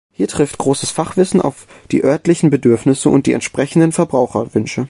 Hier trifft großes Fachwissen auf die örtlichen Bedürfnisse und die entsprechenden Verbraucherwünsche.